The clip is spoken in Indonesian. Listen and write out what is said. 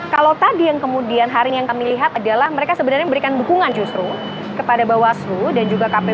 kalau tadi yang kemudian hari ini yang kami lihat adalah mereka sebenarnya memberikan dukungan justru kepada bawaslu dan juga kpu